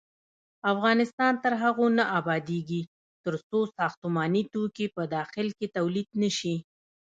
افغانستان تر هغو نه ابادیږي، ترڅو ساختماني توکي په داخل کې تولید نشي.